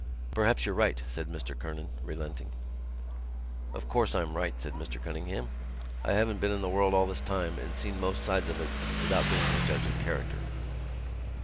"Perhaps you're right," said Mr Kernan, relenting. "Of course I'm right," said Mr Cunningham. "I haven't been in the world all this time and seen most sides of it without being a judge of character."